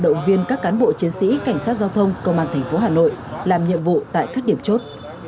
nên các cán bộ chiến sĩ cảnh sát giao thông công an tp hà nội làm nhiệm vụ tại các điểm chốt